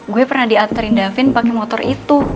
gue pernah diantarin davin pake motor itu